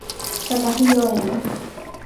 Takahiro Endo